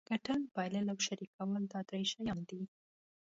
ګټل بایلل او شریکول دا درې شیان دي.